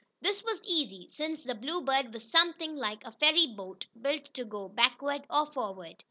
This was easy, since the Bluebird was something like a ferry boat, built to go backward or forward.